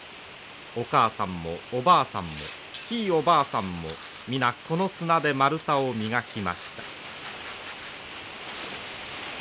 お母さんもおばあさんもひいおばあさんも皆この砂で丸太を磨きました。